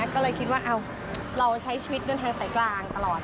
ก็เลยคิดว่าเราใช้ชีวิตเดินทางสายกลางตลอด